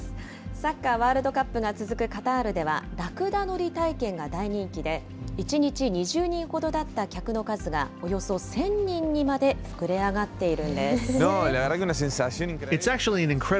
サッカーワールドカップが続くカタールでは、ラクダ乗り体験が大人気で、１日２０人ほどだった客の数が、およそ１０００人にまで膨れ上がっているんです。